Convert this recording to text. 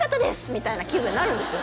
みたいな気分なるんですよ